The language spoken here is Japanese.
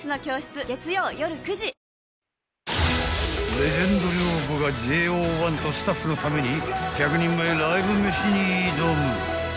［レジェンド寮母がＪＯ１とスタッフのために１００人前ライブ飯に挑む］